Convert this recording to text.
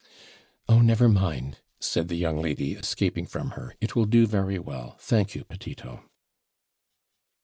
'Oh, never mind,' said the young lady, escaping from her; 'it will do very well, thank you, Petito.'